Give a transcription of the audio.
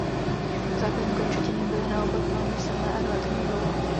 Zadní končetiny byly naopak velmi silné a relativně dlouhé.